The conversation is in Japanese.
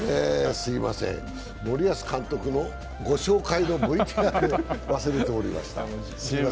すみません、森保監督のご紹介のＶＴＲを忘れていました。